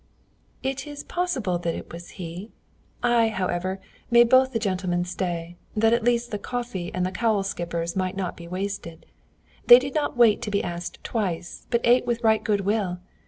"It is possible that it was he. I, however, made both the gentlemen stay, that at least the coffee and 'cowl skippers' might not be wasted. They did not wait to be asked twice, but ate with right good will.